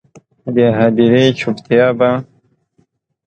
د هدیرې چوپتیا به،